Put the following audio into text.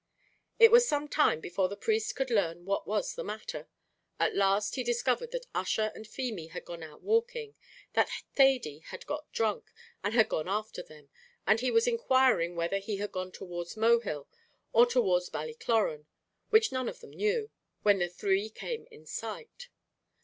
It was some time before the priest could learn what was the matter. At last he discovered that Ussher and Feemy had gone out walking, that Thady had got drunk, and had gone after them; and he was inquiring whether he had gone towards Mohill, or towards Ballycloran, which none of them knew, when the three came in sight.